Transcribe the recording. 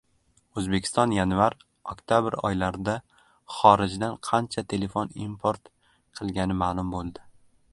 O‘zbekiston yanvar—oktabr oylarida xorijdan qancha telefon import qilgani ma’lum bo‘ldi